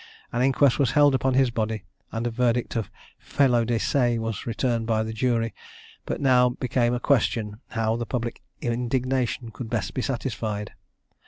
An inquest was held upon his body, and a verdict of felo de se was returned by the jury, but now became a question, how the public indignation could best be satisfied?